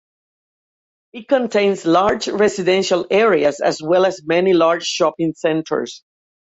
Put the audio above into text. It contains large residential areas as well as many large shopping centers.